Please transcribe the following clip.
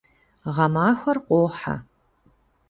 Гъэмахуэр къохьэ.